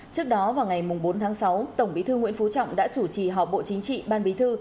trước đó vào ngày bốn tháng sáu tổng bí thư nguyễn phú trọng đã chủ trì họp bộ chính trị ban bí thư